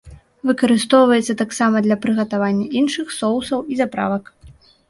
Выкарыстоўваецца таксама для прыгатавання іншых соусаў і заправак.